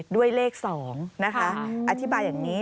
ด้วยเลข๒นะคะอธิบายอย่างนี้